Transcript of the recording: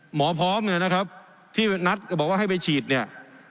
หมอพร้อมเนี่ยนะครับที่นัดบอกว่าให้ไปฉีดเนี่ย